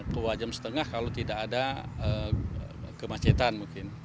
dua jam setengah kalau tidak ada kemacetan mungkin